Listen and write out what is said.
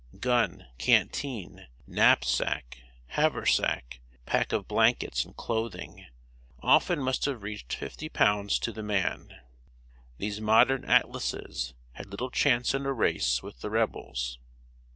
Gun, canteen, knapsack, haversack, pack of blankets and clothing, often must have reached fifty pounds to the man. These modern Atlases had little chance in a race with the Rebels.